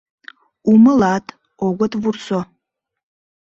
Умылат, огыт вурсо...